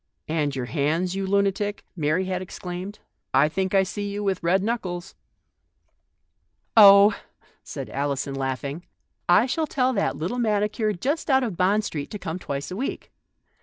"And your hands, you lunatic?" Mary had exclaimed. " I think I see you with red knuckles !"" Oh," said Alison, laughing, " I shall tell that little manicure just out of Bond Street to come twice a week.